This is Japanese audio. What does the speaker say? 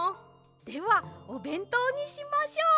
ではおべんとうにしましょう！